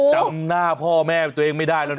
จำหน้าพ่อแม่ตัวเองไม่ได้แล้วนะ